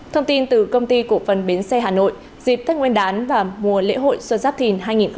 thông tin từ công ty cổ phần bến xe hà nội dịp tết nguyên đán và mùa lễ hội xuân giáp thìn hai nghìn hai mươi bốn